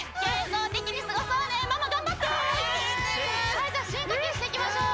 はいじゃあ深呼吸していきましょう！